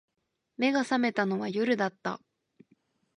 眼が覚めたのは夜だった